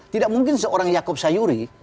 tidak mungkin seorang yaakob sayuri